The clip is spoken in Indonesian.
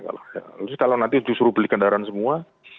kalau nanti disuruh beli kendaraan semua